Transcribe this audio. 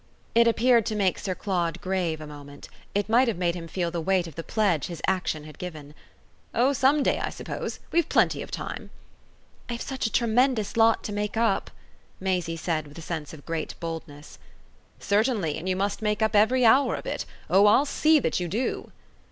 It appeared to make Sir Claude grave a moment; it might have made him feel the weight of the pledge his action had given. "Oh some day, I suppose! We've plenty of time." "I've such a tremendous lot to make up," Maisie said with a sense of great boldness. "Certainly, and you must make up every hour of it. Oh I'll SEE that you do!"